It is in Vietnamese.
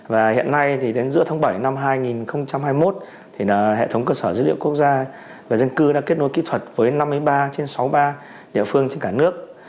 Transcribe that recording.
và hiện nay thì đến giữa tháng bảy năm hai nghìn hai mươi một hệ thống cơ sở dữ liệu quốc gia về dân cư đã kết nối kỹ thuật với năm mươi ba trên sáu mươi ba địa phương trên cả nước